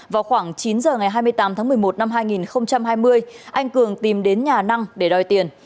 vào khoảng chín giờ ngày hai mươi tám tháng một mươi một năm hai nghìn hai mươi anh cường tìm đến nhà năng để đòi tiền